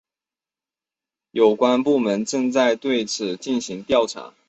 有关部门正在对此进行调查。